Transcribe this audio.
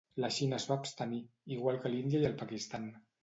La Xina es va abstenir, igual que l’Índia i el Pakistan.